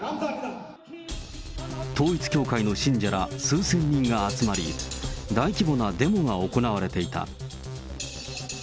統一教会の信者ら数千人が集まり、大規模なデモが行われていた。